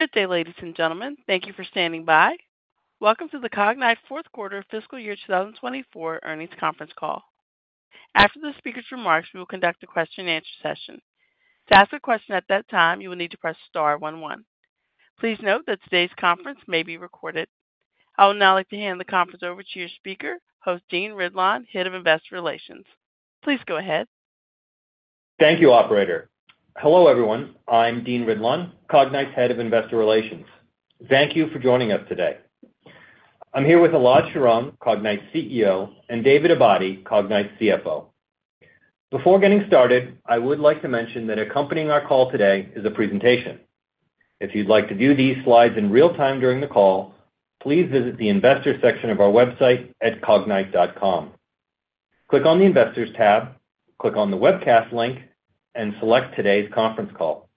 Good day, ladies and gentlemen. Thank you for standing by. Welcome to the Cognyte fourth quarter fiscal year 2024 earnings conference call. After the speaker's remarks, we will conduct a question-and-answer session. To ask a question at that time, you will need to press star 1 1. Please note that today's conference may be recorded. I will now like to hand the conference over to your speaker, host Dean Ridlon, Head of Investor Relations. Please go ahead. Thank you, operator. Hello, everyone. I'm Dean Ridlon, Cognyte's Head of Investor Relations. Thank you for joining us today. I'm here with Elad Sharon, Cognyte's CEO, and David Abadi, Cognyte's CFO. Before getting started, I would like to mention that accompanying our call today is a presentation. If you'd like to view these slides in real time during the call, please visit the Investor section of our website at cognyte.com. Click on the Investors tab, click on the webcast link, and select today's conference call.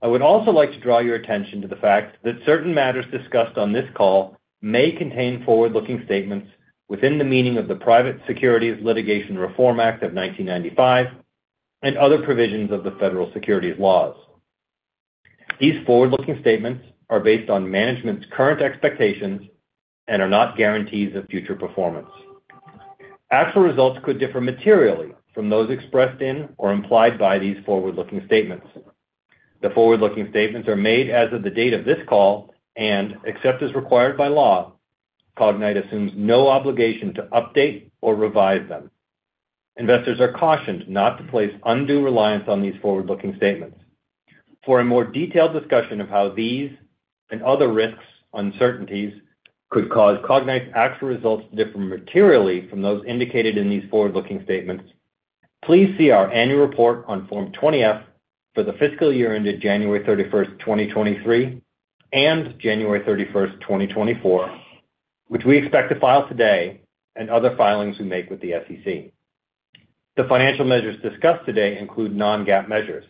I would also like to draw your attention to the fact that certain matters discussed on this call may contain forward-looking statements within the meaning of the Private Securities Litigation Reform Act of 1995 and other provisions of the federal securities laws. These forward-looking statements are based on management's current expectations and are not guarantees of future performance. Actual results could differ materially from those expressed in or implied by these forward-looking statements. The forward-looking statements are made as of the date of this call and, except as required by law, Cognyte assumes no obligation to update or revise them. Investors are cautioned not to place undue reliance on these forward-looking statements. For a more detailed discussion of how these and other risks, uncertainties, could cause Cognyte's actual results to differ materially from those indicated in these forward-looking statements, please see our annual report on Form 20-F for the fiscal year ended January 31st, 2023, and January 31st, 2024, which we expect to file today and other filings we make with the SEC. The financial measures discussed today include Non-GAAP measures.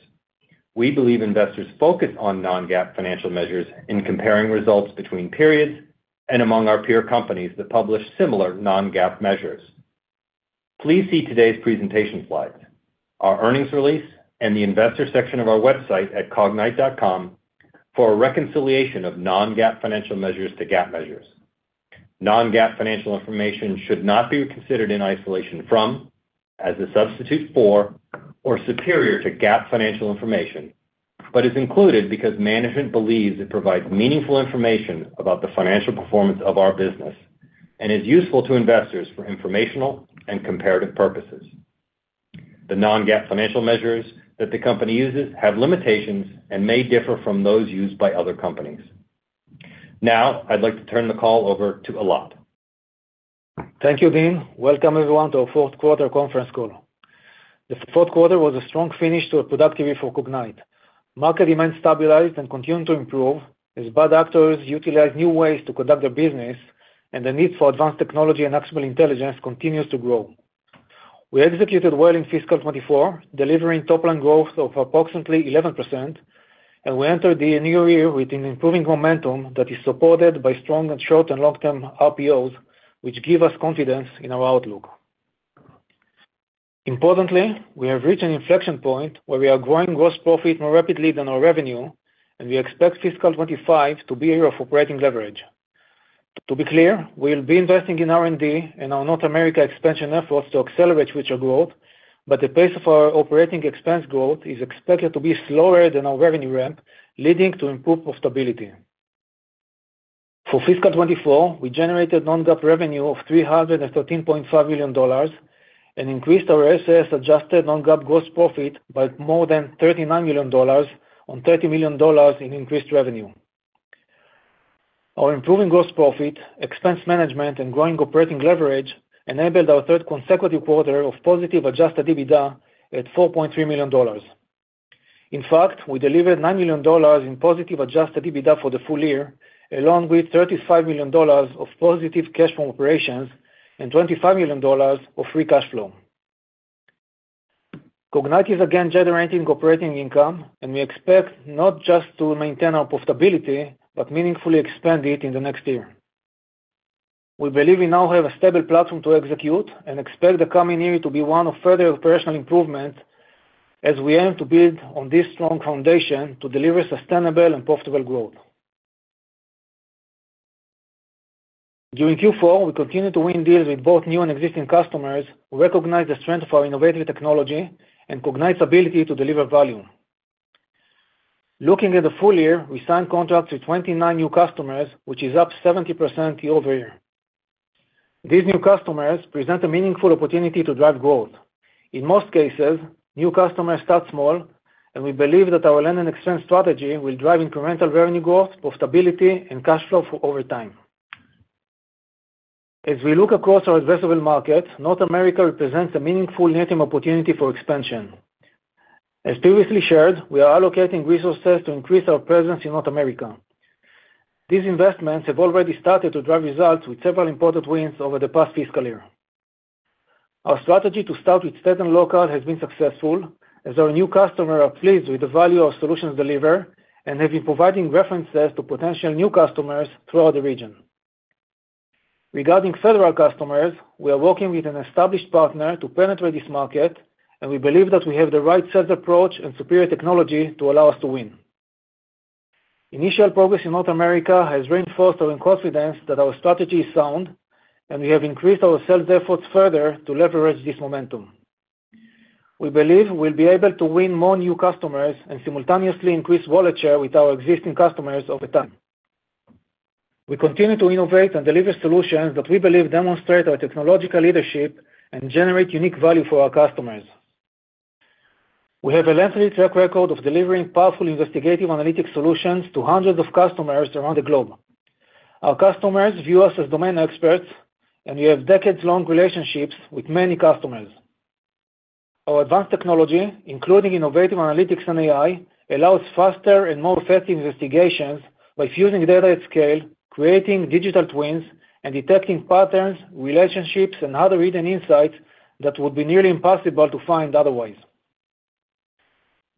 We believe investors focus on Non-GAAP financial measures in comparing results between periods and among our peer companies that publish similar Non-GAAP measures. Please see today's presentation slides, our earnings release, and the Investor section of our website at cognyte.com for a reconciliation of non-GAAP financial measures to GAAP measures. Non-GAAP financial information should not be considered in isolation from, as a substitute for, or superior to GAAP financial information, but is included because management believes it provides meaningful information about the financial performance of our business and is useful to investors for informational and comparative purposes. The non-GAAP financial measures that the company uses have limitations and may differ from those used by other companies. Now, I'd like to turn the call over to Elad. Thank you, Dean. Welcome, everyone, to our fourth quarter conference call. The fourth quarter was a strong finish to a productive year for Cognyte. Market demand stabilized and continued to improve as bad actors utilized new ways to conduct their business, and the need for advanced technology and actionable intelligence continues to grow. We executed well in fiscal 2024, delivering top-line growth of approximately 11%, and we entered the new year with an improving momentum that is supported by strong short- and long-term RPOs, which give us confidence in our outlook. Importantly, we have reached an inflection point where we are growing gross profit more rapidly than our revenue, and we expect fiscal 2025 to be a year of operating leverage. To be clear, we will be investing in R&D and our North America expansion efforts to accelerate future growth, but the pace of our operating expense growth is expected to be slower than our revenue ramp, leading to improved profitability. For fiscal 2024, we generated non-GAAP revenue of $313.5 million and increased our SIS adjusted non-GAAP gross profit by more than $39 million on $30 million in increased revenue. Our improving gross profit, expense management, and growing operating leverage enabled our third consecutive quarter of positive adjusted EBITDA at $4.3 million. In fact, we delivered $9 million in positive adjusted EBITDA for the full year, along with $35 million of positive cash from operations and $25 million of free cash flow. Cognyte is again generating operating income, and we expect not just to maintain our profitability but meaningfully expand it in the next year. We believe we now have a stable platform to execute and expect the coming year to be one of further operational improvements as we aim to build on this strong foundation to deliver sustainable and profitable growth. During Q4, we continued to win deals with both new and existing customers, recognized the strength of our innovative technology, and Cognyte's ability to deliver value. Looking at the full year, we signed contracts with 29 new customers, which is up 70% year-over-year. These new customers present a meaningful opportunity to drive growth. In most cases, new customers start small, and we believe that our land-and-expand strategy will drive incremental revenue growth, profitability, and cash flow over time. As we look across our addressable market, North America represents a meaningful penetration opportunity for expansion. As previously shared, we are allocating resources to increase our presence in North America. These investments have already started to drive results with several important wins over the past fiscal year. Our strategy to start with state and local has been successful as our new customers are pleased with the value our solutions deliver and have been providing references to potential new customers throughout the region. Regarding federal customers, we are working with an established partner to penetrate this market, and we believe that we have the right sales approach and superior technology to allow us to win. Initial progress in North America has reinforced our confidence that our strategy is sound, and we have increased our sales efforts further to leverage this momentum. We believe we'll be able to win more new customers and simultaneously increase wallet share with our existing customers over time. We continue to innovate and deliver solutions that we believe demonstrate our technological leadership and generate unique value for our customers. We have a lengthy track record of delivering powerful investigative analytics solutions to hundreds of customers around the globe. Our customers view us as domain experts, and we have decades-long relationships with many customers. Our advanced technology, including innovative analytics and AI, allows faster and more effective investigations by fusing data at scale, creating digital twins, and detecting patterns, relationships, and other hidden insights that would be nearly impossible to find otherwise.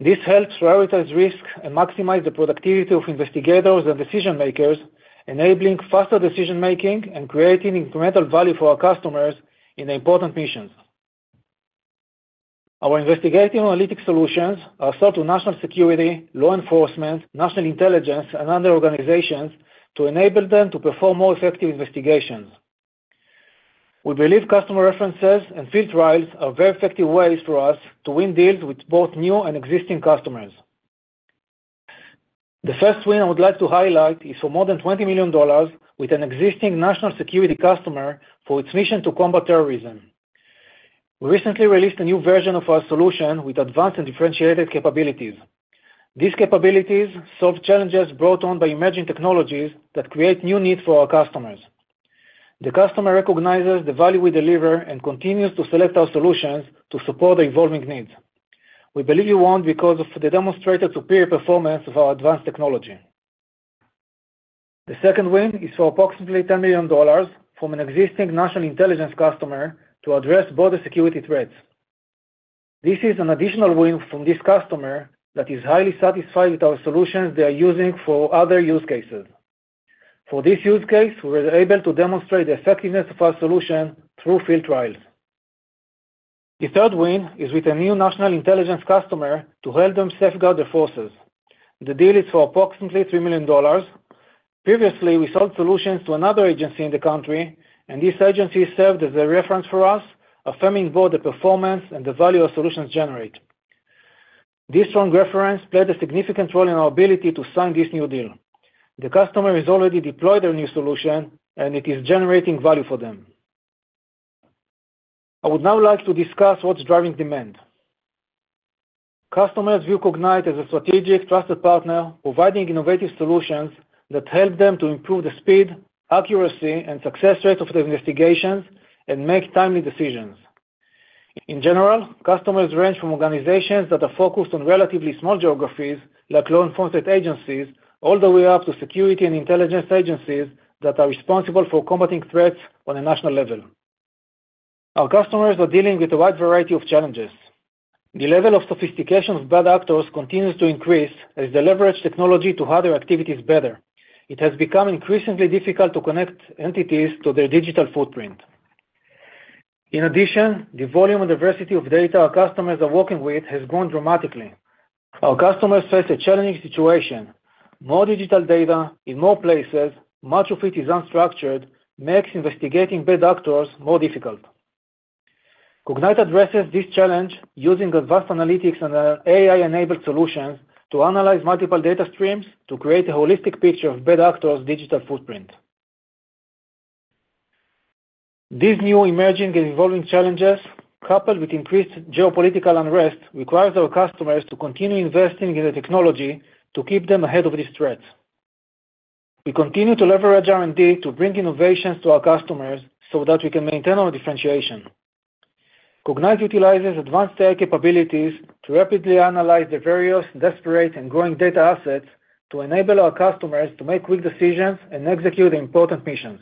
This helps prioritize risk and maximize the productivity of investigators and decision-makers, enabling faster decision-making and creating incremental value for our customers in important missions. Our investigative analytics solutions are sold to national security, law enforcement, national intelligence, and other organizations to enable them to perform more effective investigations. We believe customer references and field trials are very effective ways for us to win deals with both new and existing customers. The first win I would like to highlight is for more than $20 million with an existing national security customer for its mission to combat terrorism. We recently released a new version of our solution with advanced and differentiated capabilities. These capabilities solve challenges brought on by emerging technologies that create new needs for our customers. The customer recognizes the value we deliver and continues to select our solutions to support the evolving needs. We believe you won't because of the demonstrated superior performance of our advanced technology. The second win is for approximately $10 million from an existing national intelligence customer to address border security threats. This is an additional win from this customer that is highly satisfied with our solutions they are using for other use cases. For this use case, we were able to demonstrate the effectiveness of our solution through field trials. The third win is with a new national intelligence customer to help them safeguard their forces. The deal is for approximately $3 million. Previously, we sold solutions to another agency in the country, and this agency served as a reference for us, affirming both the performance and the value our solutions generate. This strong reference played a significant role in our ability to sign this new deal. The customer has already deployed their new solution, and it is generating value for them. I would now like to discuss what's driving demand. Customers view Cognyte as a strategic, trusted partner, providing innovative solutions that help them to improve the speed, accuracy, and success rate of their investigations and make timely decisions. In general, customers range from organizations that are focused on relatively small geographies like law enforcement agencies all the way up to security and intelligence agencies that are responsible for combating threats on a national level. Our customers are dealing with a wide variety of challenges. The level of sophistication of bad actors continues to increase as they leverage technology to hide activities better. It has become increasingly difficult to connect entities to their digital footprint. In addition, the volume and diversity of data our customers are working with has grown dramatically. Our customers face a challenging situation. More digital data in more places, much of it is unstructured, makes investigating bad actors more difficult. Cognyte addresses this challenge using advanced analytics and AI-enabled solutions to analyze multiple data streams to create a holistic picture of bad actors' digital footprint. These new emerging and evolving challenges, coupled with increased geopolitical unrest, require our customers to continue investing in the technology to keep them ahead of these threats. We continue to leverage R&D to bring innovations to our customers so that we can maintain our differentiation. Cognyte utilizes advanced AI capabilities to rapidly analyze the various disparate and growing data assets to enable our customers to make quick decisions and execute important missions.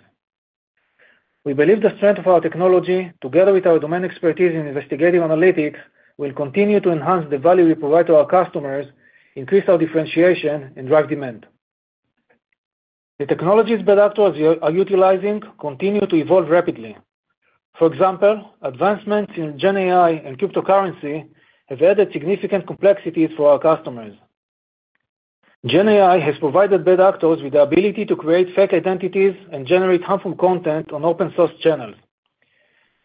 We believe the strength of our technology, together with our domain expertise in investigative analytics, will continue to enhance the value we provide to our customers, increase our differentiation, and drive demand. The technologies bad actors are utilizing continue to evolve rapidly. For example, advancements in GenAI and cryptocurrency have added significant complexities for our customers. GenAI has provided bad actors with the ability to create fake identities and generate harmful content on open-source channels.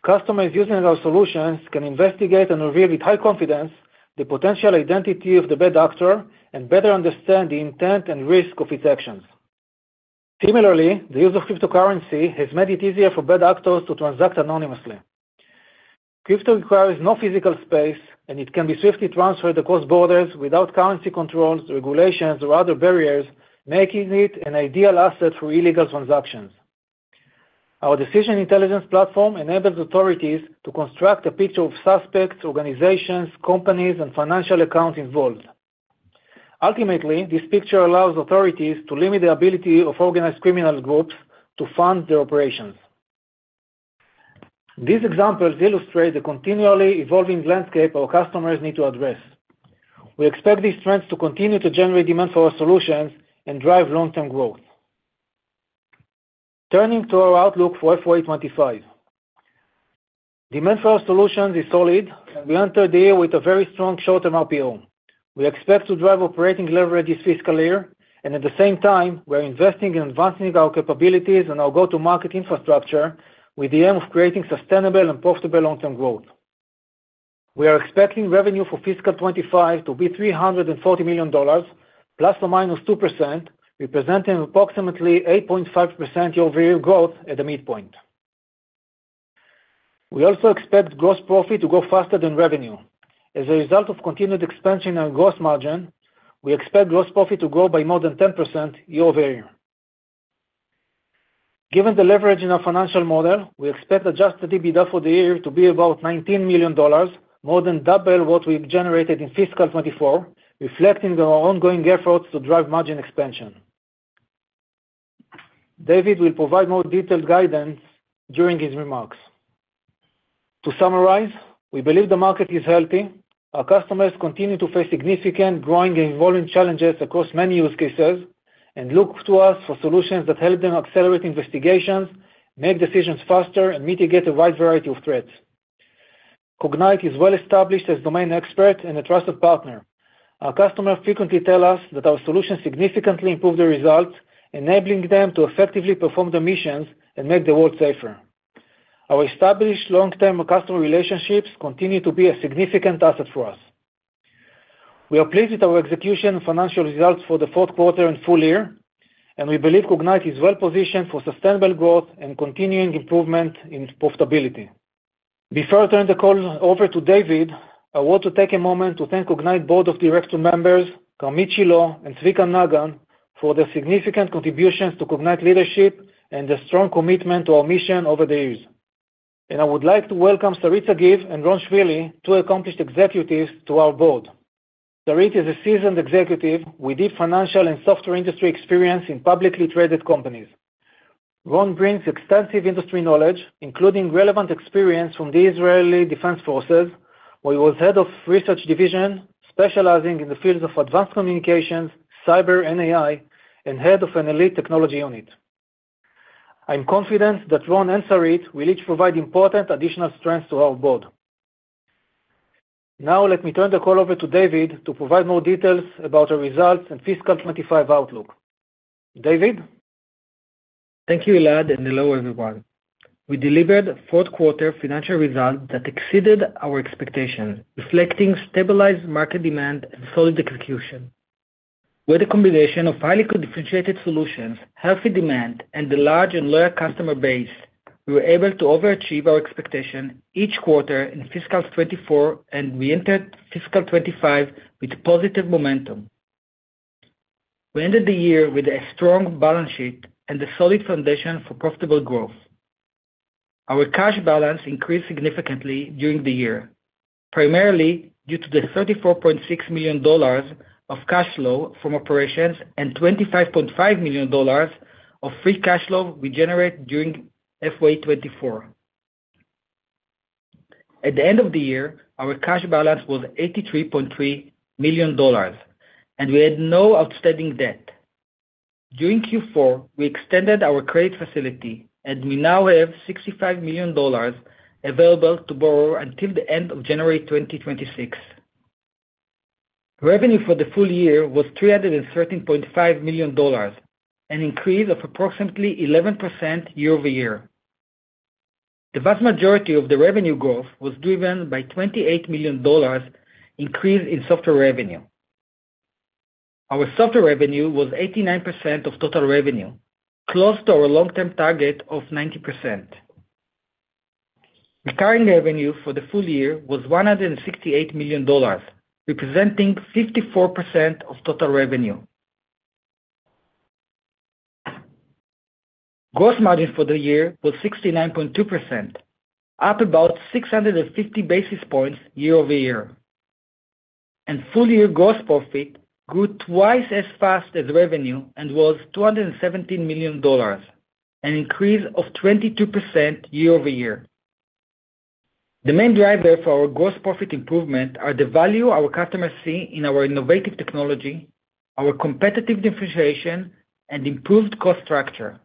Customers using our solutions can investigate and reveal with high confidence the potential identity of the bad actor and better understand the intent and risk of its actions. Similarly, the use of cryptocurrency has made it easier for bad actors to transact anonymously. Crypto requires no physical space, and it can be swiftly transferred across borders without currency controls, regulations, or other barriers, making it an ideal asset for illegal transactions. Our decision intelligence platform enables authorities to construct a picture of suspects, organizations, companies, and financial accounts involved. Ultimately, this picture allows authorities to limit the ability of organized criminal groups to fund their operations. These examples illustrate the continually evolving landscape our customers need to address. We expect these trends to continue to generate demand for our solutions and drive long-term growth. Turning to our outlook for FY25. Demand for our solutions is solid, and we entered the year with a very strong short-term RPO. We expect to drive operating leverage this fiscal year, and at the same time, we're investing in advancing our capabilities and our go-to-market infrastructure with the aim of creating sustainable and profitable long-term growth. We are expecting revenue for fiscal 2025 to be $340 million, ±2%, representing approximately 8.5% year-over-year growth at the midpoint. We also expect gross profit to grow faster than revenue. As a result of continued expansion in our gross margin, we expect gross profit to grow by more than 10% year-over-year. Given the leverage in our financial model, we expect adjusted EBITDA for the year to be about $19 million, more than double what we generated in fiscal 2024, reflecting our ongoing efforts to drive margin expansion. David will provide more detailed guidance during his remarks. To summarize, we believe the market is healthy. Our customers continue to face significant growing and evolving challenges across many use cases and look to us for solutions that help them accelerate investigations, make decisions faster, and mitigate a wide variety of threats. Cognyte is well established as a domain expert and a trusted partner. Our customers frequently tell us that our solutions significantly improve the results, enabling them to effectively perform their missions and make the world safer. Our established long-term customer relationships continue to be a significant asset for us. We are pleased with our execution financial results for the fourth quarter and full year, and we believe Cognyte is well positioned for sustainable growth and continuing improvement in profitability. Before I turn the call over to David, I want to take a moment to thank Cognyte Board of Directors members, Karmit Shilo, and Zvika Naggan, for their significant contributions to Cognyte leadership and the strong commitment to our mission over the years. I would like to welcome Sarit Sagiv and Ron Shvili, two accomplished executives to our board. Sarit is a seasoned executive with deep financial and software industry experience in publicly traded companies. Ron brings extensive industry knowledge, including relevant experience from the Israeli Defense Forces, where he was head of research division specializing in the fields of advanced communications, cyber, and AI, and head of an elite technology unit. I'm confident that Ron and Sarit will each provide important additional strengths to our board. Now, let me turn the call over to David to provide more details about our results and fiscal 2025 outlook. David? Thank you, Elad, and hello everyone. We delivered fourth quarter financial results that exceeded our expectations, reflecting stabilized market demand and solid execution. With a combination of highly good differentiated solutions, healthy demand, and a large and loyal customer base, we were able to overachieve our expectation each quarter in fiscal 2024 and re-entered fiscal 2025 with positive momentum. We ended the year with a strong balance sheet and a solid foundation for profitable growth. Our cash balance increased significantly during the year, primarily due to the $34.6 million of cash flow from operations and $25.5 million of free cash flow we generate during FY 2024. At the end of the year, our cash balance was $83.3 million, and we had no outstanding debt. During Q4, we extended our credit facility, and we now have $65 million available to borrow until the end of January 2026. Revenue for the full year was $313.5 million, an increase of approximately 11% year-over-year. The vast majority of the revenue growth was driven by a $28 million increase in software revenue. Our software revenue was 89% of total revenue, close to our long-term target of 90%. Recurring revenue for the full year was $168 million, representing 54% of total revenue. Gross margin for the year was 69.2%, up about 650 basis points year-over-year. Full-year gross profit grew twice as fast as revenue and was $217 million, an increase of 22% year-over-year. The main driver for our gross profit improvement is the value our customers see in our innovative technology, our competitive differentiation, and improved cost structure.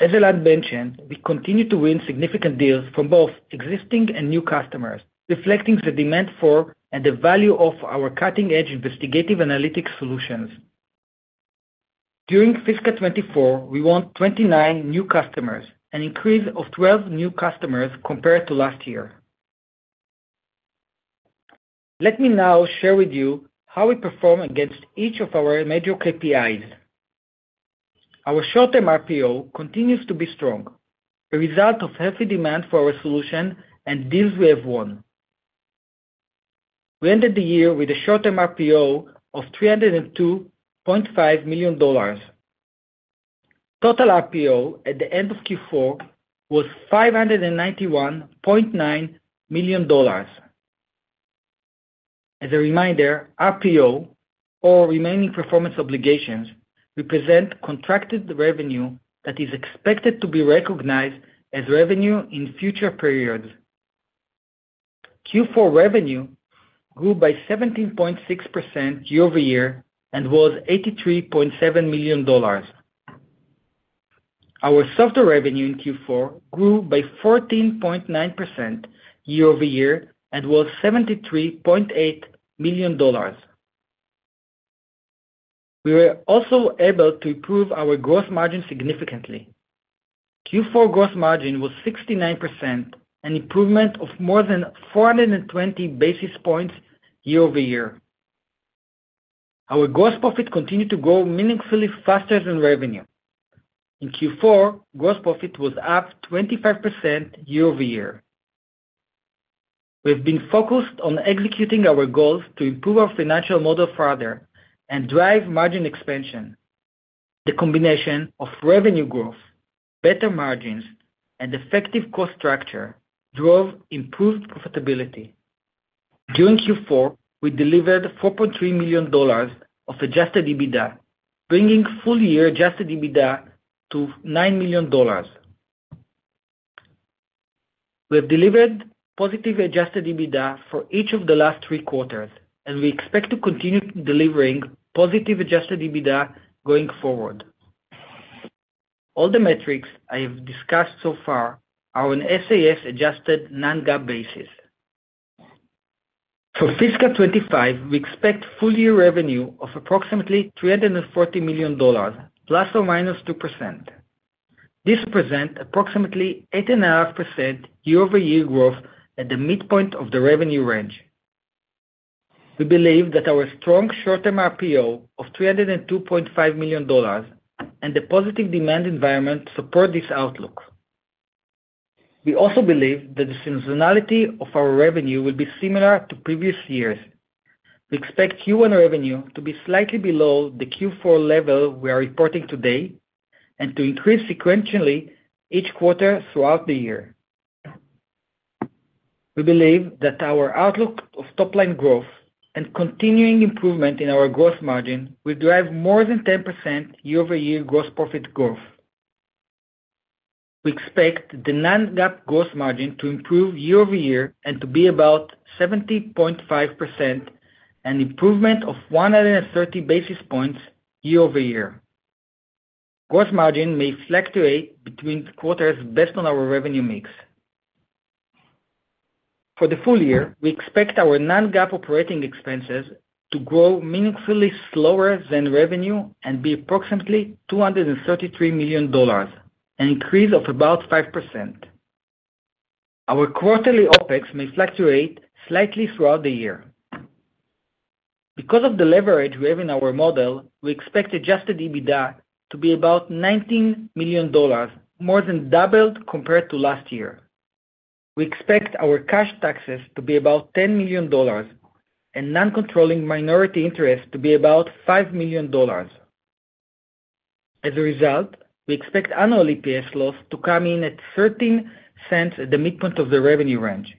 As Elad mentioned, we continue to win significant deals from both existing and new customers, reflecting the demand for and the value of our cutting-edge investigative analytics solutions. During fiscal 2024, we won 29 new customers, an increase of 12 new customers compared to last year. Let me now share with you how we perform against each of our major KPIs. Our short-term RPO continues to be strong, a result of healthy demand for our solution and deals we have won. We ended the year with a short-term RPO of $302.5 million. Total RPO at the end of Q4 was $591.9 million. As a reminder, RPO, or remaining performance obligations, represent contracted revenue that is expected to be recognized as revenue in future periods. Q4 revenue grew by 17.6% year-over-year and was $83.7 million. Our software revenue in Q4 grew by 14.9% year-over-year and was $73.8 million. We were also able to improve our gross margin significantly. Q4 gross margin was 69%, an improvement of more than 420 basis points year-over-year. Our gross profit continued to grow meaningfully faster than revenue. In Q4, gross profit was up 25% year-over-year. We have been focused on executing our goals to improve our financial model further and drive margin expansion. The combination of revenue growth, better margins, and effective cost structure drove improved profitability. During Q4, we delivered $4.3 million of Adjusted EBITDA, bringing full-year Adjusted EBITDA to $9 million. We have delivered positive Adjusted EBITDA for each of the last three quarters, and we expect to continue delivering positive Adjusted EBITDA going forward. All the metrics I have discussed so far are on SIS adjusted non-GAAP basis. For fiscal 2025, we expect full-year revenue of approximately $340 million, plus or minus 2%. This represents approximately 8.5% year-over-year growth at the midpoint of the revenue range. We believe that our strong short-term RPO of $302.5 million and the positive demand environment support this outlook. We also believe that the seasonality of our revenue will be similar to previous years. We expect Q1 revenue to be slightly below the Q4 level we are reporting today and to increase sequentially each quarter throughout the year. We believe that our outlook of top-line growth and continuing improvement in our gross margin will drive more than 10% year-over-year gross profit growth. We expect the non-GAAP gross margin to improve year-over-year and to be about 70.5%, an improvement of 130 basis points year-over-year. Gross margin may fluctuate between quarters based on our revenue mix. For the full year, we expect our non-GAAP operating expenses to grow meaningfully slower than revenue and be approximately $233 million, an increase of about 5%. Our quarterly OpEx may fluctuate slightly throughout the year. Because of the leverage we have in our model, we expect Adjusted EBITDA to be about $19 million, more than doubled compared to last year. We expect our cash taxes to be about $10 million, and non-controlling minority interest to be about $5 million. As a result, we expect annual EPS loss to come in at $0.0013 at the midpoint of the revenue range.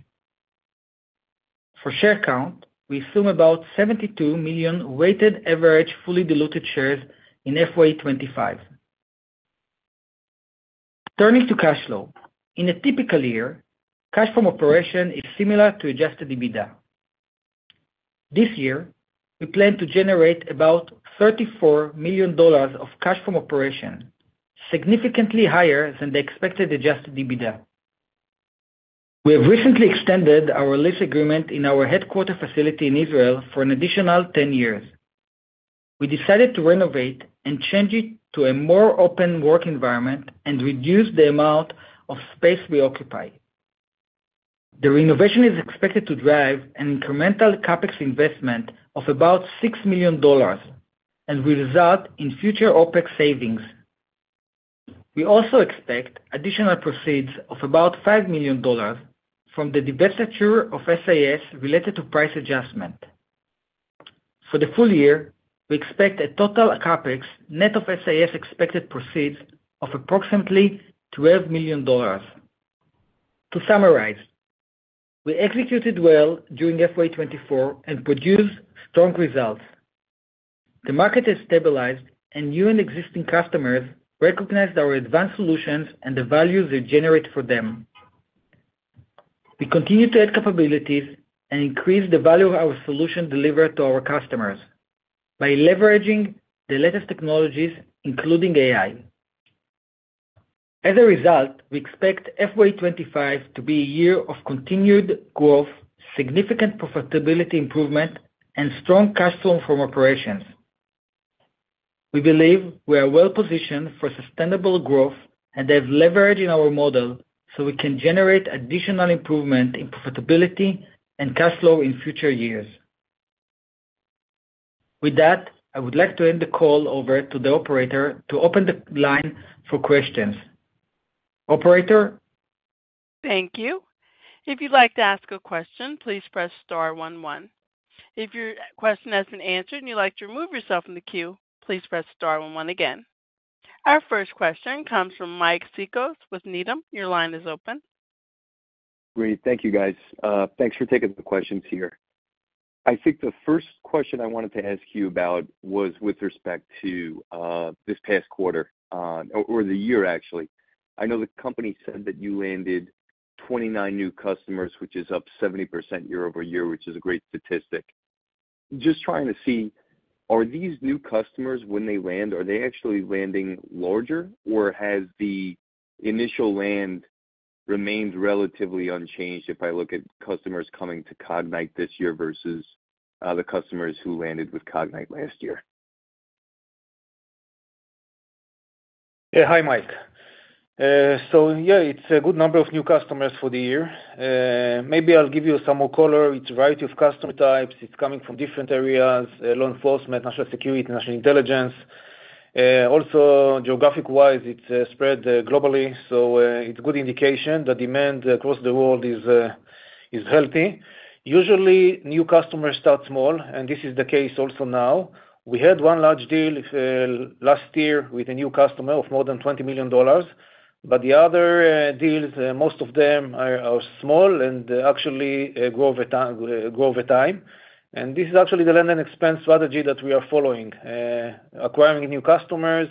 For share count, we assume about 72 million weighted average fully diluted shares in FY25. Turning to cash flow. In a typical year, cash from operations is similar to Adjusted EBITDA. This year, we plan to generate about $34 million of cash from operations, significantly higher than the expected Adjusted EBITDA. We have recently extended our lease agreement in our headquarters facility in Israel for an additional 10 years. We decided to renovate and change it to a more open work environment and reduce the amount of space we occupy. The renovation is expected to drive an incremental CapEx investment of about $6 million and result in future OpEx savings. We also expect additional proceeds of about $5 million from the divestiture of SIS related to price adjustment. For the full year, we expect a total CapEx net of SIS expected proceeds of approximately $12 million. To summarize, we executed well during FY 2024 and produced strong results. The market has stabilized, and new and existing customers recognized our advanced solutions and the value they generate for them. We continue to add capabilities and increase the value of our solution delivered to our customers by leveraging the latest technologies, including AI. As a result, we expect FY25 to be a year of continued growth, significant profitability improvement, and strong cash flow from operations. We believe we are well positioned for sustainable growth and have leverage in our model so we can generate additional improvement in profitability and cash flow in future years. With that, I would like to end the call over to the operator to open the line for questions. Operator? Thank you. If you'd like to ask a question, please press star 1 1. If your question has been answered and you'd like to remove yourself from the queue, please press star 1 1 again. Our first question comes from Mike Cikos with Needham. Your line is open. Great. Thank you, guys. Thanks for taking the questions here. I think the first question I wanted to ask you about was with respect to this past quarter or the year, actually. I know the company said that you landed 29 new customers, which is up 70% year-over-year, which is a great statistic. Just trying to see, are these new customers, when they land, are they actually landing larger, or has the initial land remained relatively unchanged if I look at customers coming to Cognyte this year versus the customers who landed with Cognyte last year? Yeah. Hi, Mike. So yeah, it's a good number of new customers for the year. Maybe I'll give you some more color. It's a variety of customer types. It's coming from different areas: law enforcement, national security, national intelligence. Also, geographic-wise, it's spread globally, so it's a good indication that demand across the world is healthy. Usually, new customers start small, and this is the case also now. We had one large deal last year with a new customer of more than $20 million, but the other deals, most of them are small and actually grow over time. And this is actually the land and expand strategy that we are following: acquiring new customers,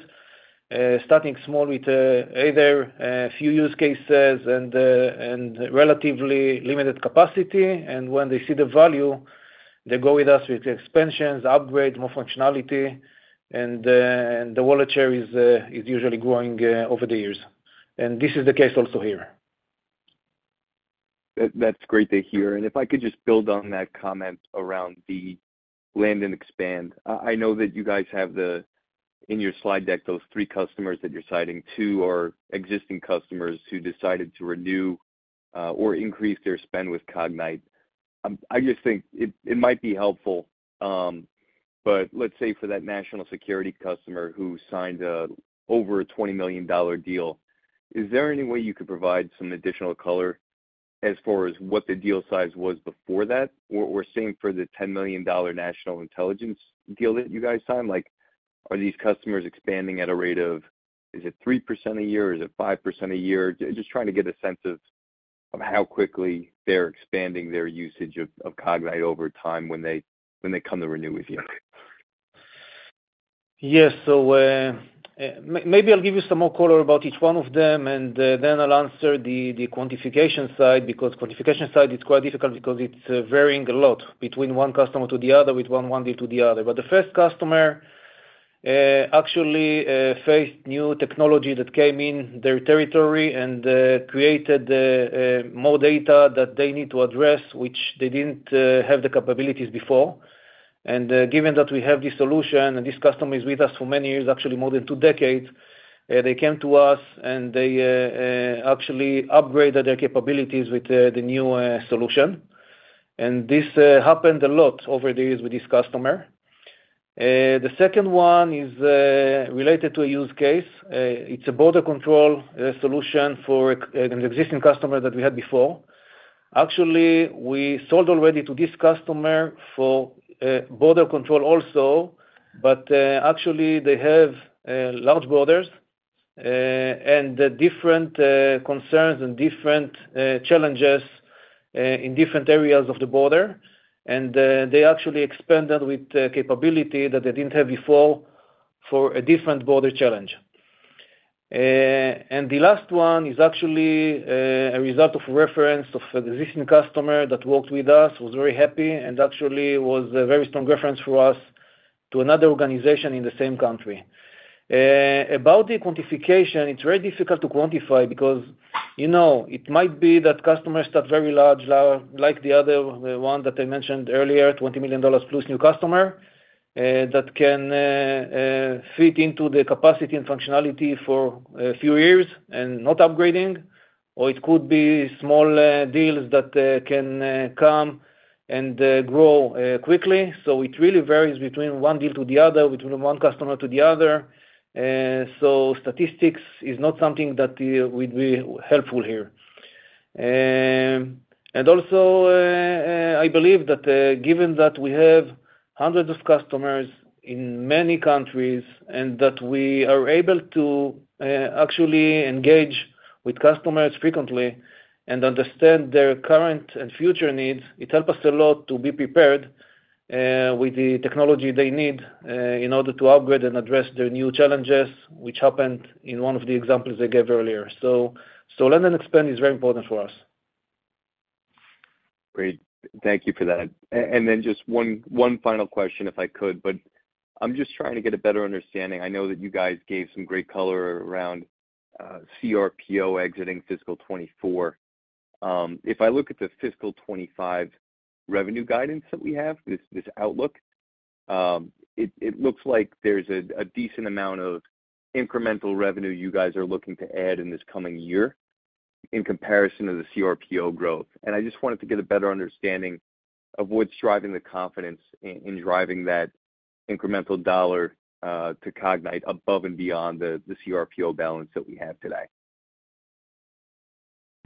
starting small with either a few use cases and relatively limited capacity. And when they see the value, they go with us with expansions, upgrades, more functionality, and the wallet share is usually growing over the years. This is the case also here. That's great to hear. And if I could just build on that comment around the land and expand, I know that you guys have in your slide deck those three customers that you're citing. Two are existing customers who decided to renew or increase their spend with Cognyte. I just think it might be helpful, but let's say for that national security customer who signed over a $20 million deal, is there any way you could provide some additional color as far as what the deal size was before that? Or same for the $10 million national intelligence deal that you guys signed? Are these customers expanding at a rate of is it 3% a year? Is it 5% a year? Just trying to get a sense of how quickly they're expanding their usage of Cognyte over time when they come to renew with you. Yes. So maybe I'll give you some more color about each one of them, and then I'll answer the quantification side because quantification side is quite difficult because it's varying a lot between one customer to the other with one deal to the other. But the first customer actually faced new technology that came in their territory and created more data that they need to address, which they didn't have the capabilities before. And given that we have this solution and this customer is with us for many years, actually more than two decades, they came to us and they actually upgraded their capabilities with the new solution. And this happened a lot over the years with this customer. The second one is related to a use case. It's a border control solution for an existing customer that we had before. Actually, we sold already to this customer for border control also, but actually, they have large borders and different concerns and different challenges in different areas of the border. And they actually expanded with capability that they didn't have before for a different border challenge. And the last one is actually a result of reference of an existing customer that worked with us, was very happy, and actually was a very strong reference for us to another organization in the same country. About the quantification, it's very difficult to quantify because it might be that customers start very large like the other one that I mentioned earlier, $20 million plus new customer that can fit into the capacity and functionality for a few years and not upgrading. Or it could be small deals that can come and grow quickly. It really varies between one deal to the other, between one customer to the other. Statistics is not something that would be helpful here. And also, I believe that given that we have hundreds of customers in many countries and that we are able to actually engage with customers frequently and understand their current and future needs, it helps us a lot to be prepared with the technology they need in order to upgrade and address their new challenges, which happened in one of the examples I gave earlier. Land-and-expand is very important for us. Great. Thank you for that. And then just one final question if I could, but I'm just trying to get a better understanding. I know that you guys gave some great color around CRPO exiting fiscal 2024. If I look at the fiscal 2025 revenue guidance that we have, this outlook, it looks like there's a decent amount of incremental revenue you guys are looking to add in this coming year in comparison to the CRPO growth. And I just wanted to get a better understanding of what's driving the confidence in driving that incremental dollar to Cognyte above and beyond the CRPO balance that we have today.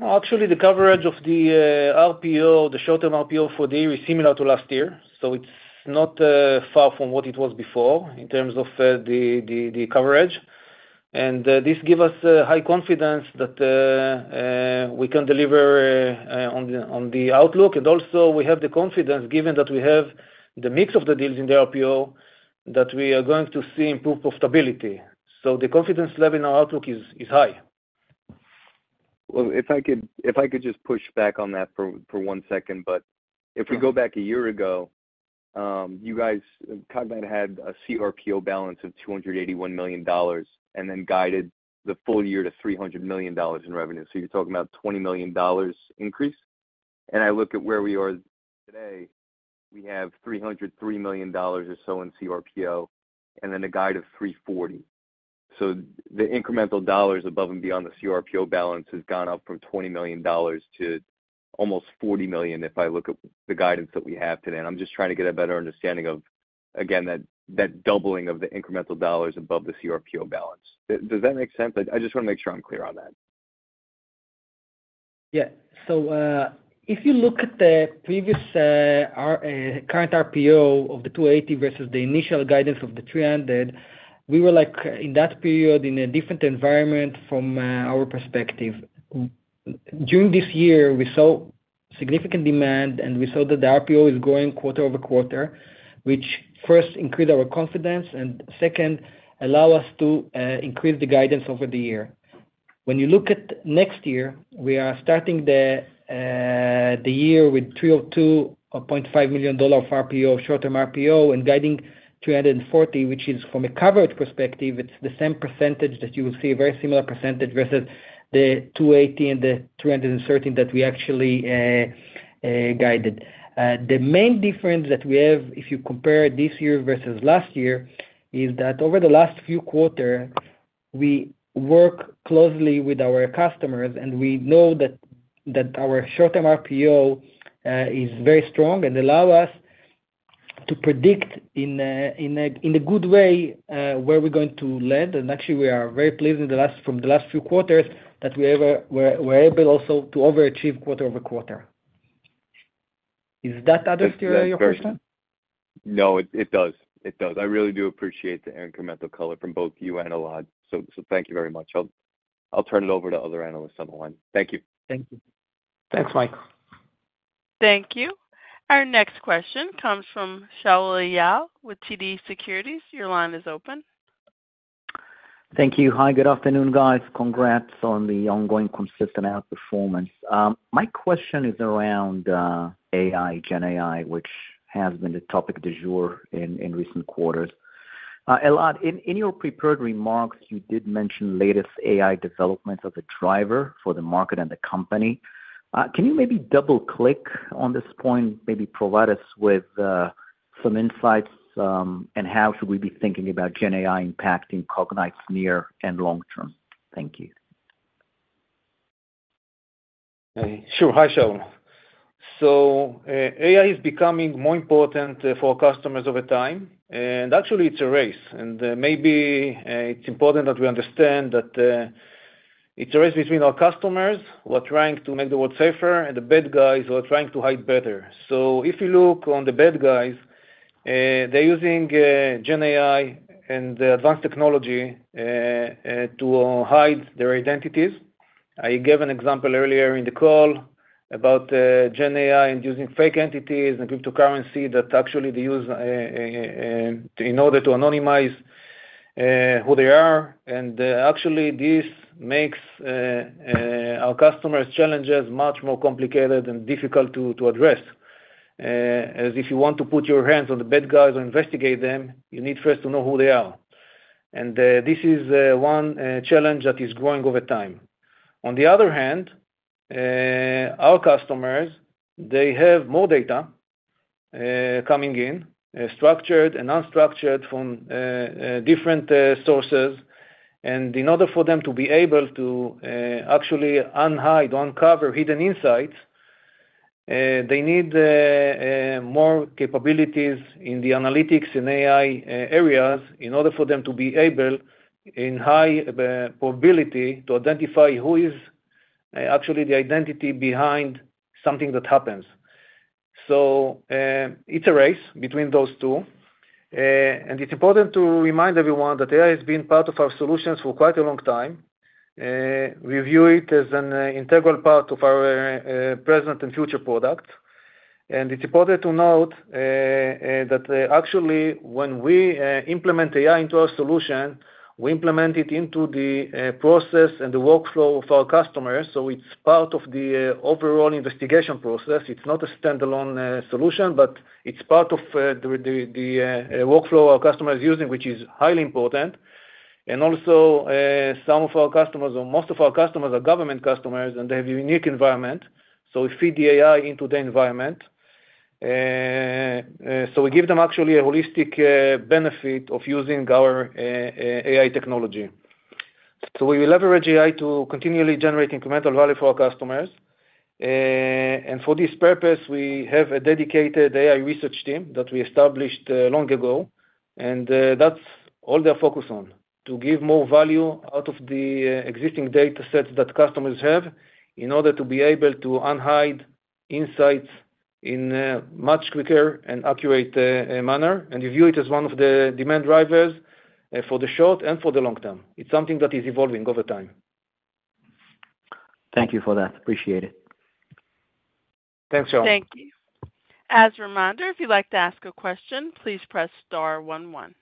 Actually, the coverage of the RPO, the short-term RPO for the year, is similar to last year. It's not far from what it was before in terms of the coverage. This gives us high confidence that we can deliver on the outlook. We have the confidence, given that we have the mix of the deals in the RPO, that we are going to see improved profitability. The confidence level in our outlook is high. Well, if I could just push back on that for one second. But if we go back a year ago, Cognyte had a CRPO balance of $281 million and then guided the full year to $300 million in revenue. So you're talking about a $20 million increase. And I look at where we are today, we have $303 million or so in CRPO and then a guide of $340. So the incremental dollars above and beyond the CRPO balance has gone up from $20 million to almost $40 million if I look at the guidance that we have today. And I'm just trying to get a better understanding of, again, that doubling of the incremental dollars above the CRPO balance. Does that make sense? I just want to make sure I'm clear on that. Yeah. So if you look at the current RPO of the $280 million versus the initial guidance of the $300 million, we were in that period in a different environment from our perspective. During this year, we saw significant demand, and we saw that the RPO is growing quarter-over-quarter, which first increased our confidence and, second, allowed us to increase the guidance over the year. When you look at next year, we are starting the year with $302.5 million of RPO, short-term RPO, and guiding $340 million, which is from a coverage perspective, it's the same percentage that you will see, a very similar percentage versus the $280 million and the $313 million that we actually guided. The main difference that we have, if you compare this year versus last year, is that over the last few quarters, we work closely with our customers, and we know that our short-term RPO is very strong and allows us to predict in a good way where we're going to lend. And actually, we are very pleased from the last few quarters that we were able also to overachieve quarter-over-quarter. Is that addressed to your question? No, it does. It does. I really do appreciate the incremental color from both you and Elad. So thank you very much. I'll turn it over to other analysts on the line. Thank you. Thank you. Thanks, Mike. Thank you. Our next question comes from Shaul Eyal with TD Securities. Your line is open. Thank you. Hi. Good afternoon, guys. Congrats on the ongoing consistent outperformance. My question is around AI, GenAI, which has been the topic du jour in recent quarters. Elad, in your prepared remarks, you did mention latest AI developments as a driver for the market and the company. Can you maybe double-click on this point, maybe provide us with some insights, and how should we be thinking about GenAI impacting Cognyte's near and long term? Thank you. Sure. Hi, Shaul. So AI is becoming more important for our customers over time. And actually, it's a race. And maybe it's important that we understand that it's a race between our customers, who are trying to make the world safer, and the bad guys, who are trying to hide better. So if you look on the bad guys, they're using GenAI and advanced technology to hide their identities. I gave an example earlier in the call about GenAI and using fake entities and cryptocurrency that actually they use in order to anonymize who they are. And actually, this makes our customers' challenges much more complicated and difficult to address. As if you want to put your hands on the bad guys or investigate them, you need first to know who they are. And this is one challenge that is growing over time. On the other hand, our customers, they have more data coming in, structured and unstructured, from different sources. In order for them to be able to actually unhide, uncover hidden insights, they need more capabilities in the analytics and AI areas in order for them to be able, in high probability, to identify who is actually the identity behind something that happens. It's a race between those two. It's important to remind everyone that AI has been part of our solutions for quite a long time. We view it as an integral part of our present and future product. It's important to note that actually, when we implement AI into our solution, we implement it into the process and the workflow of our customers. It's part of the overall investigation process. It's not a standalone solution, but it's part of the workflow our customer is using, which is highly important. Also, some of our customers or most of our customers are government customers, and they have a unique environment. So we feed the AI into the environment. So we give them actually a holistic benefit of using our AI technology. So we leverage AI to continually generate incremental value for our customers. And for this purpose, we have a dedicated AI research team that we established long ago. And that's all they're focused on, to give more value out of the existing datasets that customers have in order to be able to unhide insights in a much quicker and accurate manner and review it as one of the demand drivers for the short and for the long term. It's something that is evolving over time. Thank you for that. Appreciate it. Thanks, Shaul. Thank you. As a reminder, if you'd like to ask a question, please press star 1 1.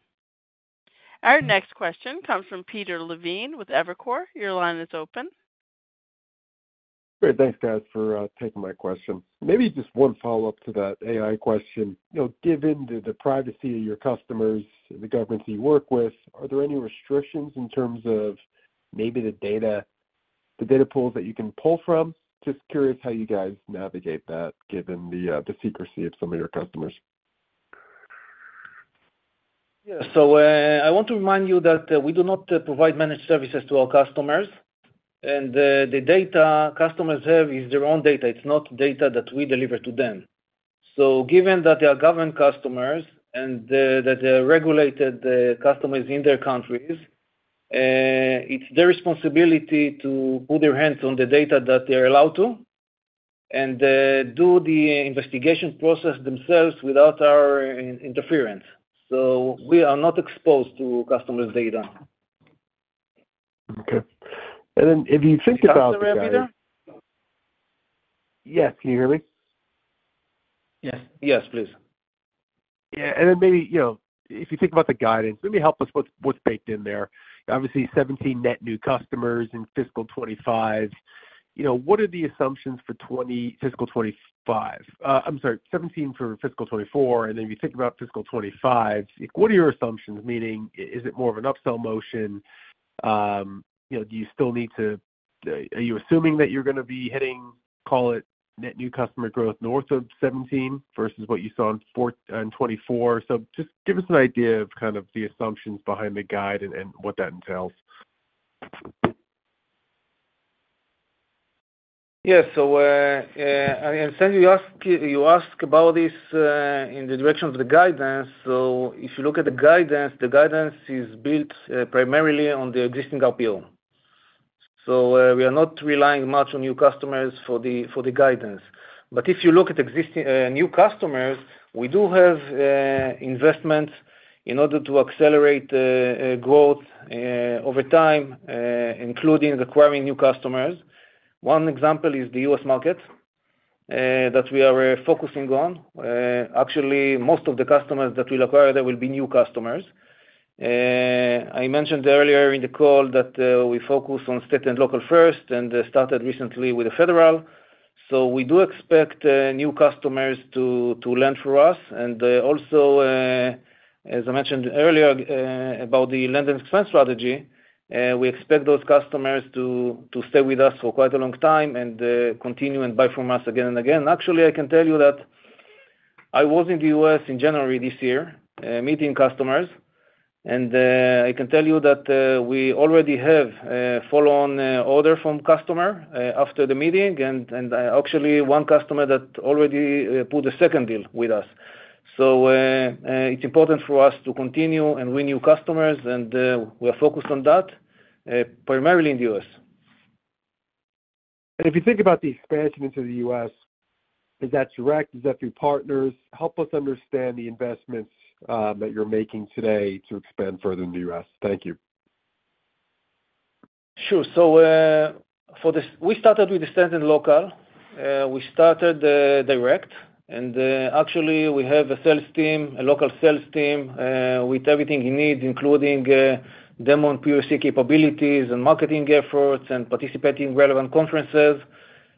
Our next question comes from Peter Levine with Evercore. Your line is open. Great. Thanks, guys, for taking my question. Maybe just one follow-up to that AI question. Given the privacy of your customers and the governments you work with, are there any restrictions in terms of maybe the data pools that you can pull from? Just curious how you guys navigate that given the secrecy of some of your customers? Yeah. So I want to remind you that we do not provide managed services to our customers. And the data customers have is their own data. It's not data that we deliver to them. So given that they are government customers and that they are regulated customers in their countries, it's their responsibility to put their hands on the data that they are allowed to and do the investigation process themselves without our interference. So we are not exposed to customers' data. Okay. And then if you think about. Peter, are you there? Yes. Can you hear me? Yes, please. Yeah. And then maybe if you think about the guidance, maybe help us with what's baked in there. Obviously, 17 net new customers in fiscal 2025. I'm sorry, 17 for fiscal 2024. And then if you think about fiscal 2025, what are your assumptions? Meaning, is it more of an upsell motion? Are you assuming that you're going to be hitting, call it, net new customer growth north of 17 versus what you saw in 2024? So just give us an idea of kind of the assumptions behind the guide and what that entails. Yeah. So and since you ask about this in the direction of the guidance, so if you look at the guidance, the guidance is built primarily on the existing RPO. So we are not relying much on new customers for the guidance. But if you look at new customers, we do have investments in order to accelerate growth over time, including acquiring new customers. One example is the U.S. market that we are focusing on. Actually, most of the customers that we'll acquire there will be new customers. I mentioned earlier in the call that we focus on state and local first and started recently with the federal. So we do expect new customers to lend for us. Also, as I mentioned earlier about the lending expense strategy, we expect those customers to stay with us for quite a long time and continue and buy from us again and again. Actually, I can tell you that I was in the U.S. in January this year meeting customers. I can tell you that we already have a follow-on order from a customer after the meeting. Actually, one customer that already put a second deal with us. It's important for us to continue and win new customers. We are focused on that primarily in the U.S. If you think about the expansion into the U.S., is that direct? Is that through partners? Help us understand the investments that you're making today to expand further in the U.S. Thank you. Sure. So we started with the state and local. We started direct. And actually, we have a sales team, a local sales team with everything you need, including demo and POC capabilities and marketing efforts and participating in relevant conferences.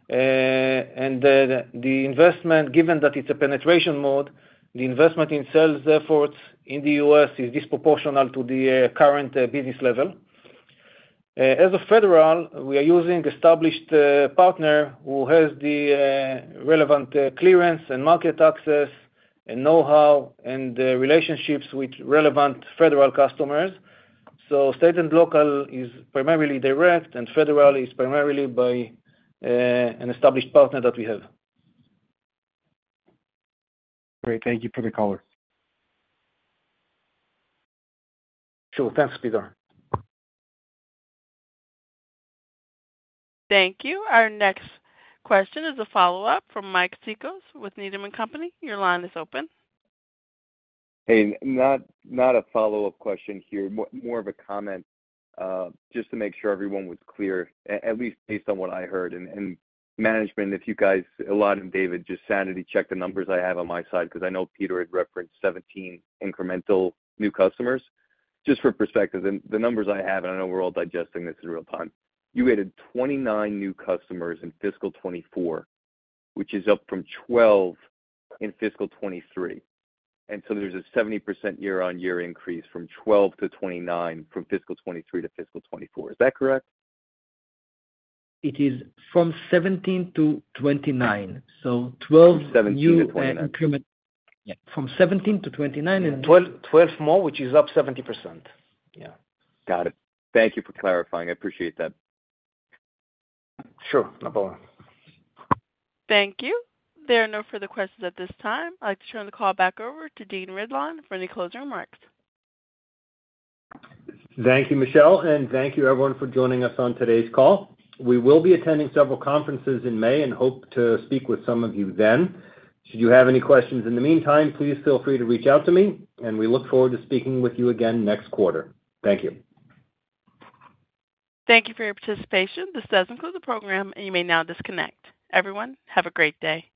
And the investment, given that it's a penetration mode, the investment in sales efforts in the U.S. is disproportionate to the current business level. As for federal, we are using an established partner who has the relevant clearance and market access and know-how and relationships with relevant federal customers. So state and local is primarily direct, and federal is primarily by an established partner that we have. Great. Thank you for the colour. Sure. Thanks, Peter. Thank you. Our next question is a follow-up from Mike Cikos with Needham & Company. Your line is open. Hey, not a follow-up question here, more of a comment just to make sure everyone was clear, at least based on what I heard. And management, if you guys, Elad and David, just sanity-check the numbers I have on my side because I know Peter had referenced 17 incremental new customers. Just for perspective, the numbers I have - and I know we're all digesting this in real time - you rated 29 new customers in fiscal 2024, which is up from 12 in fiscal 2023. And so there's a 70% year-on-year increase from 12 to 29 from fiscal 2023 to fiscal 2024. Is that correct? It is from 17 to 29. So 12 new and increment. From 17 to 29 and.12 more, which is up 70%. Yeah. Got it. Thank you for clarifying. I appreciate that. Sure. No problem. Thank you. There are no further questions at this time. I'd like to turn the call back over to Dean Ridlon for any closing remarks. Thank you, Michelle. Thank you, everyone, for joining us on today's call. We will be attending several conferences in May and hope to speak with some of you then. Should you have any questions in the meantime, please feel free to reach out to me. We look forward to speaking with you again next quarter. Thank you. Thank you for your participation. This does conclude the program, and you may now disconnect. Everyone, have a great day.